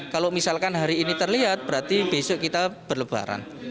kalau misalkan hari ini terlihat berarti besok kita berlebaran